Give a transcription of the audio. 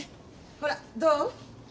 ほらどう？